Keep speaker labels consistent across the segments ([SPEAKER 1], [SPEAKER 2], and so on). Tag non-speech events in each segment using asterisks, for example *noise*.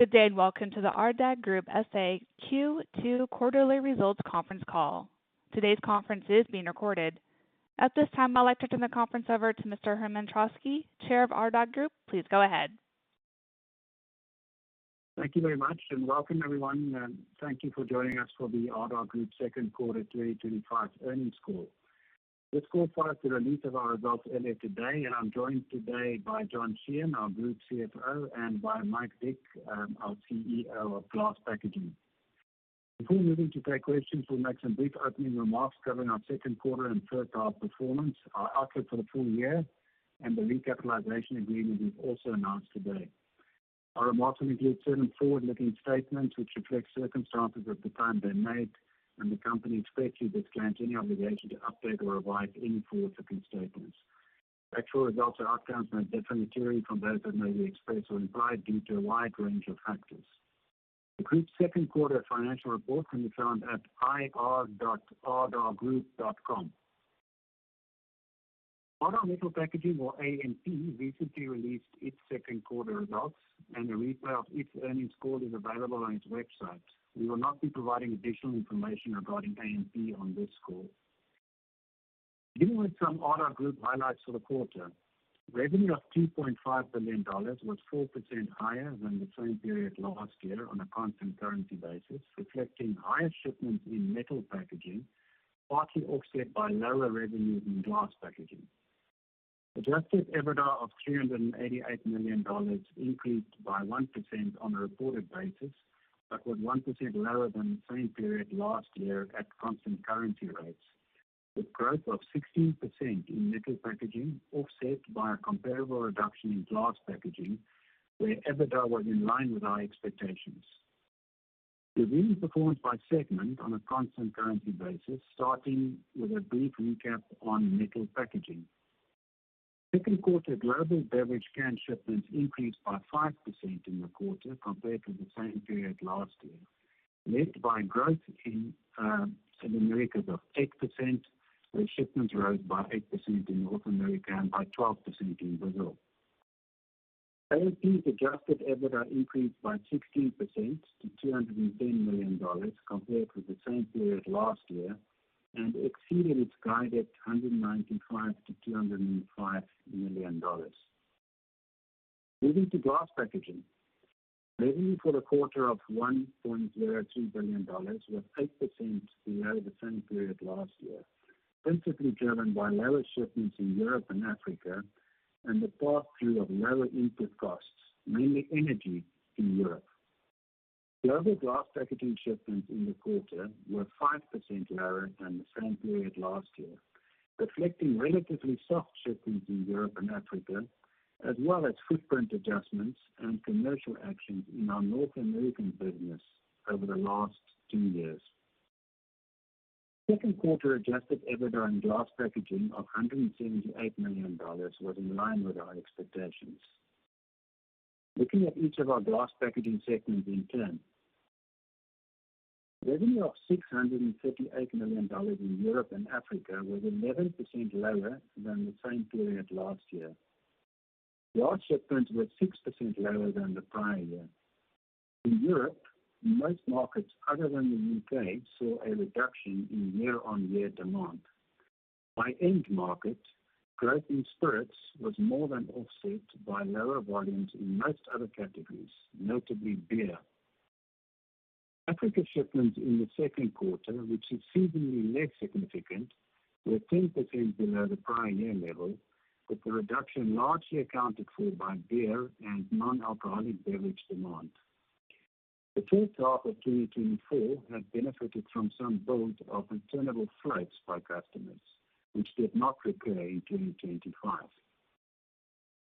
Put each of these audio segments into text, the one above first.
[SPEAKER 1] Good day, and welcome to the Ardagh Group S.A. Q2 Quarterly Results Conference Call. Today's conference is being recorded. At this time, I'd like to turn the conference over to Mr. Herman Troskie, Chair of Ardagh Group. Please go ahead.
[SPEAKER 2] Thank you very much, and welcome everyone. Thank you for joining us for the Ardagh Group's Second Quarter 2025 Earnings Call. This call follows the release of our results earlier today, and I'm joined today by John Sheehan, our Group CFO, and by Michael Dick, our CEO of Glass Packaging. Before moving to *crosstalk* and brief opening remarks covering our second quarter and third [quarter performance], our outlook for the full year and the recapitalization agreement we've also announced today. Our remarks include seven forward-looking statements, which reflect circumstances of the plan they made, and the company expects you to *crosstalk* any obligation to update or revise any forward-looking statements. Actual results and outcomes may differ materially from those that may be expressed or implied due to a wide range of factors. The group's second-quarter financial report can be found at ir.ardaghgroup.com. Ardagh Metal Packaging, or AMP recently released its second-quarter results, and a replay of its earnings call is available on its website. We will not be providing additional information regarding AMP on this call. Beginning with some Ardagh Group highlights for the quarter, revenue of $2.5 billion was 4% higher than the same period last year on a constant currency basis, reflecting higher shipments in metal packaging, partly offset by lower revenue in glass packaging. Adjusted EBITDA of $388 million increased by 1% on a reported basis, but was 1% lower than the same period last year at constant currency rates, with growth of 16% in metal packaging, offset by a comparable reduction in glass packaging, where EBITDA was in line with our expectations. The review is performed by segment on a constant currency basis, starting with a brief recap on metal packaging. Second quarter global beverage can shipments increased by 5% in the quarter compared to the same period last year, led by growth in the Americas, of 8%, where shipments rose by 8% in North America and by 12% in Brazil. AMP's adjusted EBITDA increased by 16% to $210 million, compared with the same period last year and exceeded its guided $195 million-$205 million. Moving to glass packaging, revenue for the quarter of $1.02 billion was 8% below the same period last year, principally driven by lower shipments in Europe and Africa and the path through of lower input costs, mainly energy in Europe. Global glass packaging shipments in the quarter were 5% lower than the same period last year, reflecting relatively soft shipments in Europe and Africa, as well as footprint adjustments and commercial action in our North American business over the last two years. Second quarter adjusted EBITDA in glass packaging of $178 million was in line with our expectations. Looking at each of our glass packaging segments in turn, revenue of $638 million in Europe and Africa was 11% lower than the same period last year. The [large] shipment was 6% lower than the prior year. In Europe, most markets other than the U.K. saw a reduction in year-on-year demand. By end markets, growth in spirits was more than offset by lower volumes in most other categories, notably beer. Africa shipments in the second quarter were exceedingly less significant. They're 10% below the prior year level, with the reduction largely accounted for by beer and non-alcoholic beverage demand. The third half of 2024 had benefited from some boat of returnable [goods] by customers, which did not recur in 2025.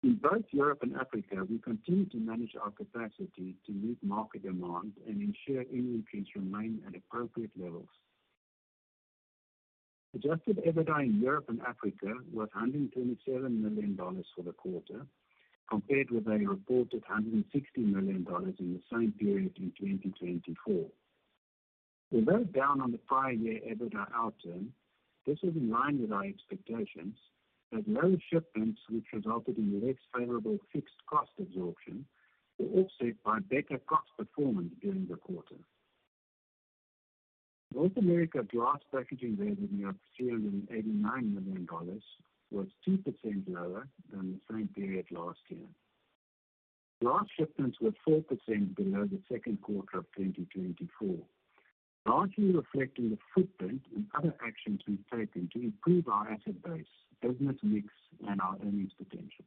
[SPEAKER 2] In both Europe and Africa, we continue to manage our capacity to meet market demand and ensure inventories remain at appropriate levels. Adjusted EBITDA in Europe and Africa was $127 million for the quarter, compared with a reported $160 million in the same period in 2024. They were down on the prior year EBITDA outcome. This was in line with our expectations, as lower shipments, which resulted in less favorable fixed cost absorption, were offset by better cost performance during the quarter. North America glass packaging revenue of $389 million was 2% lower than the same period last year. Glass shipments were 4% below the second quarter of 2024, largely reflecting the footprint and other actions we've taken to improve our asset base, business mix, and our earnings potential.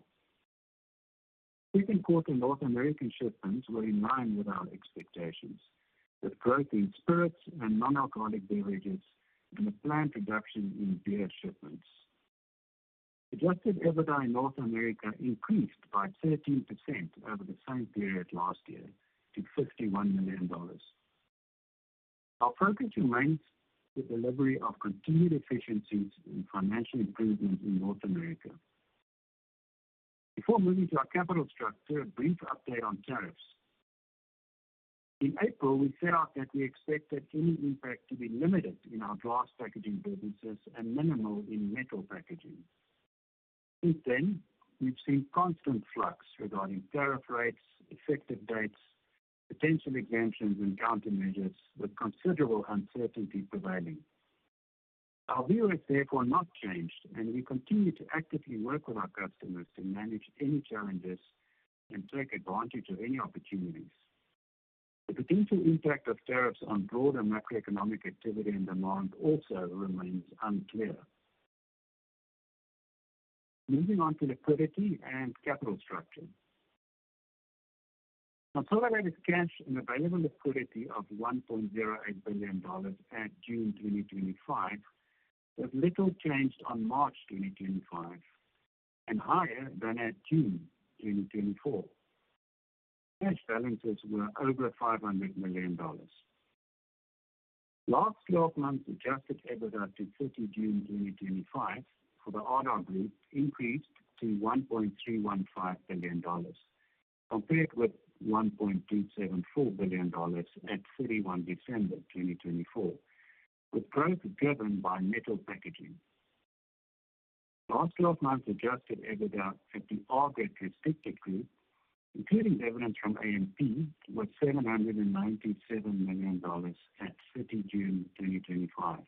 [SPEAKER 2] Second quarter North American shipments were in line with our expectations, with growth in spirits and non-alcoholic beverages and a planned reduction in beer shipments. Adjusted EBITDA in North America increased by 13% over the same period last year to $51 million. Our focus remains the delivery of continued efficiencies in fcrosstalk] that we expect that any impact to be limited in our glass packaging businesses, and minimal in metal packaging. Since then, we've seen constant flux regarding tariff rates, effective dates, potential exemptions, and countermeasures, with considerable uncertainty prevailing. Our view has therefore not changed, and we continue to actively work with our customers to manage any challenges and take advantage of any opportunities. The potential impact of tariffs on broader macroeconomic activity and demand also remains unclear. Moving on to liquidity and capital structure. Our [total average cash] and available liquidity of $1.08 billion at June 2025 has little changed on March 2025 and higher than at June 2024. Cash value increased with over $500 million. Last 12 months adjusted EBITDA to 30th June 2025 for the Ardagh Group increased to $1.315 billion, compared with $1.274 billion at 31 December 2024, with growth driven by metal packaging. Last 12 months adjusted EBITDA at the Ardagh restricted group, including leverage from AMP was $797 million at 30 June 2025.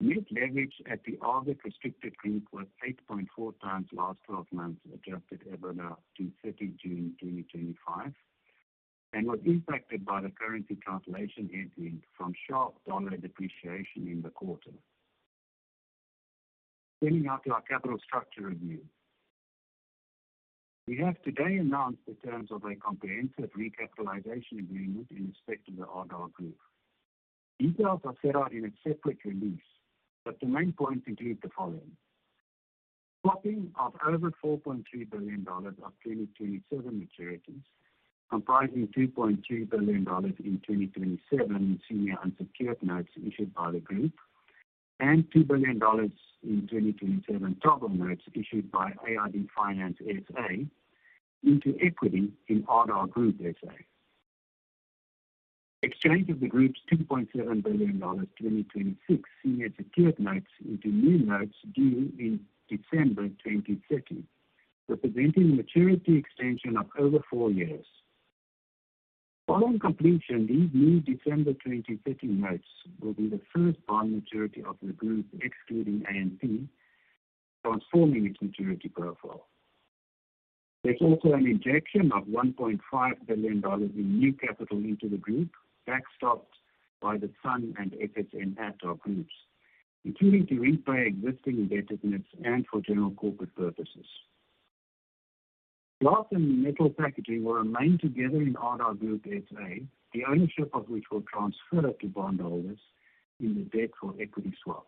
[SPEAKER 2] Net leverage at the Ardagh restricted group was 8.4x last 12 months adjusted EBITDA to 30 June 2025, and was impacted by the currency translation EBIT from sharp dollar depreciation in the quarter. Standing up to our capital structure review, we have today announced the terms of a comprehensive recapitalization agreement in respect to the Ardagh Group. Details are set out in a separate release, but the main points include the following, *crosstalk* of over $4.3 billion of 2027 maturities, comprising $2.3 billion in 2027 senior unsecured notes issued by the group and $2 billion in 2027 *crosstalk* notes issued by AID finance in Spain, into equity in Ardagh Group S.A. Exchange of the group's $2.7 billion 2026 senior secured notes into new notes due in December 2030, representing a maturity extension of over four years. Following completion, these new December 2030 notes will be the first bond maturity of the group, excluding AMP, but forming its maturity profile. There is also an injection of $1.5 billion in new capital into the group, *crosstalk* by the SUN and [FSM impact] on groups, including to repay existing debtor [groups] and for general corporate purposes. Glass and metal packaging were *crosstalk* together in Ardagh Group S.A., the ownership of which was transferred to bondholders in the debt for equity swap.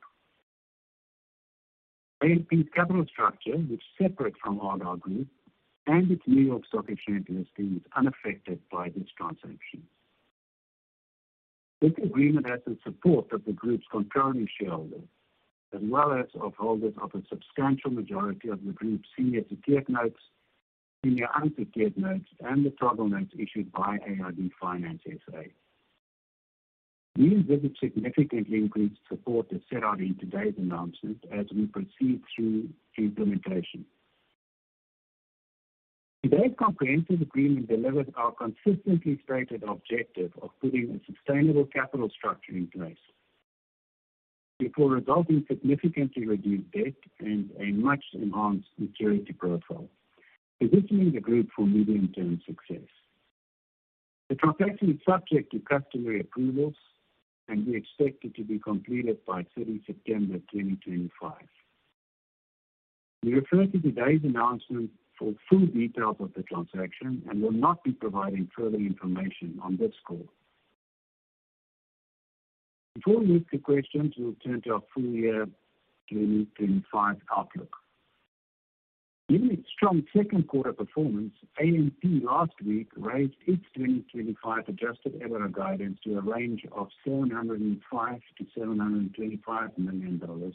[SPEAKER 2] AMP capital structure, which is separate from Ardagh Group and its New York Stock Exchange listing is unaffected by this transaction. This agreement has the support of the group's concurrent shareholders, as well as of holders of a substantial majority of the group's senior secured notes, senior unsecured notes, and the total notes issued by AID Finance S.A. These visits significantly increase support that's set out in today's announcement, as we proceed through implementation. Today's comprehensive agreement delivers our consistently stated objective of putting a sustainable capital structure in place, before resulting in significantly reduced debt and a much enhanced maturity profile, positioning the group for medium-term success. The transaction is subject to customer approvals, and we expect it to be completed by 30th September 2025. We refer to today's announcement for full details of the transaction, and will not be providing further information on this call. Before we move to questions, we'll turn to our full-year 2025 outlook. Given its strong second-quarter performance, AMP last week raised its 2025 adjusted EBITDA guidance to a range of $705 million-$725 million,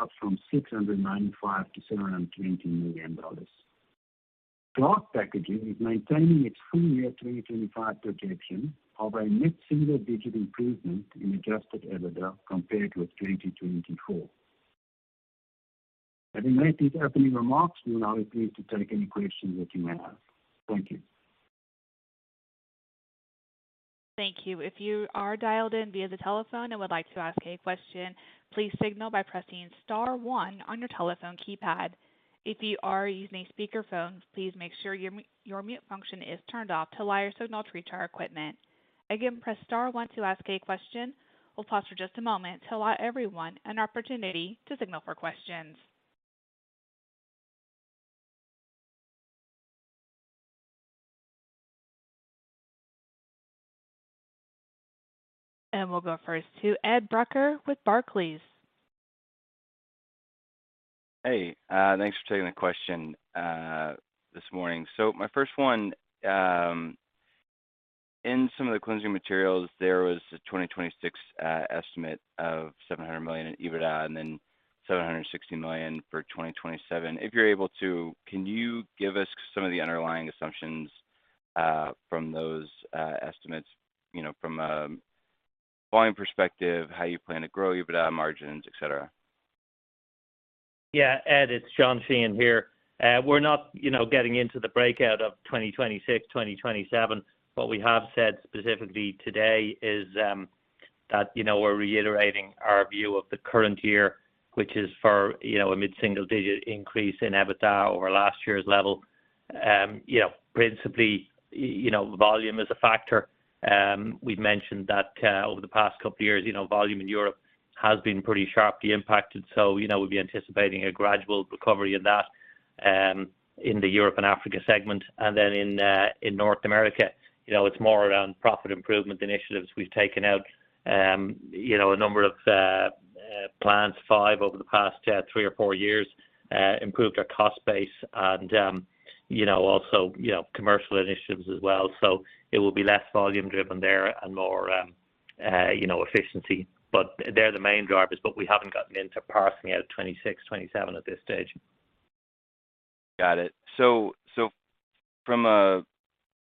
[SPEAKER 2] up from $695 million-$720 million. Glass Packaging is maintaining its full-year 2025 projection of a net single-digit improvement in adjusted EBITDA compared with 2024. I think that is opening remarks. We will now be pleased to take any questions that you may have. Thank you.
[SPEAKER 1] Thank you. If you are dialed in via the telephone and would like to ask a question, please signal by pressing star one on your telephone keypad. If you are using a speakerphone, please make sure your mute function is turned off to allow your signal to reach our equipment. Again, press star one to ask a question. We'll pause for just a moment, to allow everyone an opportunity to signal for questions. We'll go first to Ed Brucker with Barclays.
[SPEAKER 3] Hey, thanks for taking the question this morning. My first one, in some of the cleansing materials, there was a 2026 estimate of $700 million in EBITDA and then $760 million for 2027. If you're able to, can you give us some of the underlying assumptions from those estimates, you know, from a volume perspective, how you plan to grow EBITDA margins, etc?
[SPEAKER 4] Yeah. Ed, it's John Sheehan here. We're not getting into the breakout of 2026, 2027. What we have said specifically today is that we're reiterating our view of the current year, which is for a mid-single-digit increase in EBITDA over last year's level. Principally, volume is a factor. We've mentioned that over the past couple of years, volume in Europe has been pretty sharply impacted. We'd be anticipating a gradual recovery in that in the Europe and Africa segment. In North America, it's more around profit improvement initiatives. We've taken out a number of plans, five over the past three or four years, improved our cost base and also commercial initiatives as well. It will be less volume-driven there and more efficiency. They're the main drivers, but we haven't gotten into parsing out 2026, 2027 at this stage.
[SPEAKER 3] Got it. From a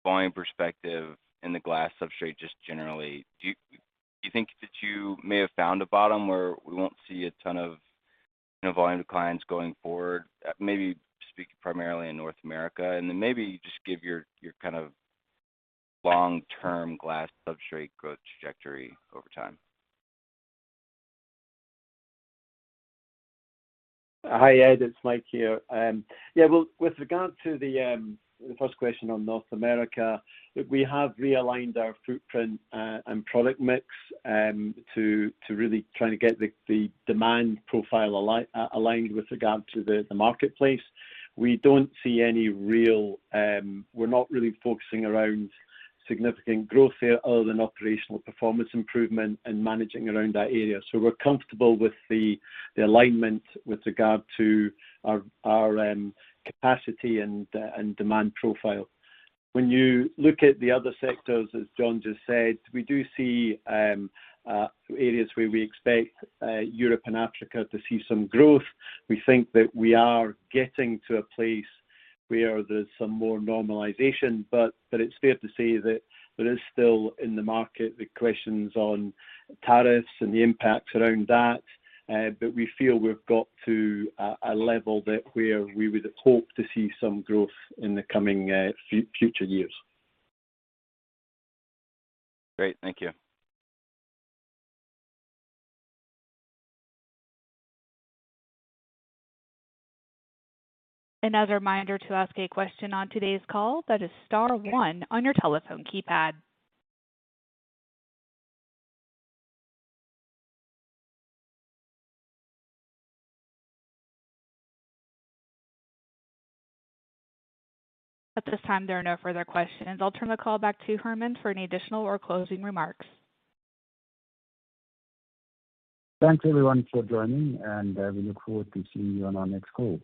[SPEAKER 3] volume perspective in the glass substrate just generally, do you think that you may have found a bottom where we won't see a ton of, you know, volume declines going forward? Maybe speaking primarily in North America. Maybe just give your kind of long-term glass substrate growth trajectory over time.
[SPEAKER 5] Hi, Ed. It's Mike here. With regard to the first question on North America, we have realigned our footprint and product mix to really try and get the demand profile aligned with regard to the marketplace. We're not really focusing around significant growth there, other than operational performance improvement and managing around that area. We're comfortable with the alignment with regard to our capacity and demand profile. When you look at the other sectors, as John just said, we do see areas where we expect Europe and Africa to see some growth. We think that we are getting to a place where there's some more normalization, but it's fair to say that there is still in the market, the questions on tariffs and the impacts around that. We feel we've got to a level where we would hope to see some growth in the future years.
[SPEAKER 3] Great. Thank you.
[SPEAKER 1] As a reminder, to ask a question on today's call, that is star one on your telephone keypad. At this time, there are no further questions. I'll turn the call back to Herman for any additional or closing remarks.
[SPEAKER 2] Thanks, everyone for joining, and we look forward to seeing you on our next call.